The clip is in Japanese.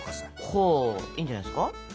ほいいんじゃないですか。